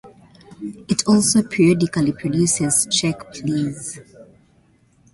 It also periodically produces Check Please!